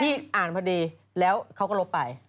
นี่อ่านพอดีแล้วเขาก็ลบไป